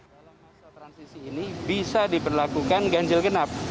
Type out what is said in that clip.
dalam masa transisi ini bisa diberlakukan ganjil genap